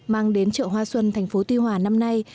mang đến chợ hoa xuân tp tuy hoa năm nay